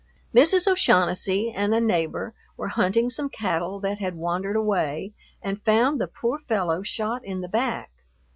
Mrs. O'Shaughnessy and a neighbor were hunting some cattle that had wandered away and found the poor fellow shot in the back.